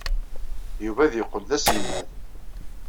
Yuba ad yeqqel d aselmad.